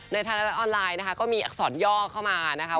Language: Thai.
ไทยรัฐออนไลน์นะคะก็มีอักษรย่อเข้ามานะคะ